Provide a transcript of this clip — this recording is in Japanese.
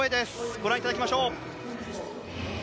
ご覧いただきましょう。